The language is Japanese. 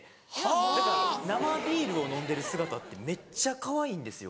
だから生ビールを飲んでる姿ってめっちゃかわいいんですよ。